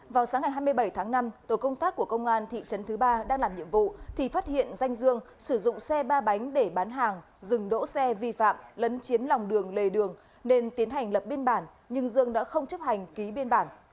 vào sáng ngày hai mươi bảy tháng năm tổ công tác của công an thị trấn thứ ba đang làm nhiệm vụ thì phát hiện danh dương sử dụng xe ba bánh để bán hàng dừng đỗ xe vi phạm lấn chiếm lòng đường lề đường nên tiến hành lập biên bản nhưng dương đã không chấp hành ký biên bản